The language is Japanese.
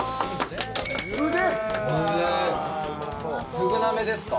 ふぐ鍋ですか？